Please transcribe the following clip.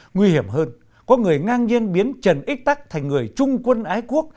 nguy hiểm hơn có người ngang nhiên biến trần ích tắc thành người trung quân ái quốc